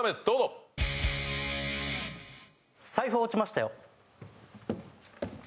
あっ財布落ちましたよ